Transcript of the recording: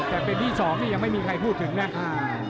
แต่เป็นที่๒นี่ยังไม่มีใครพูดถึงนะ